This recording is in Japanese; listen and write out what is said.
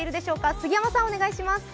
杉山さん、お願いします。